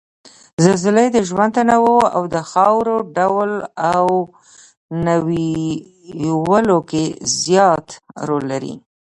زلزلې د ژوند تنوع او د خاورو ډول او نويولو کې زیات رول لري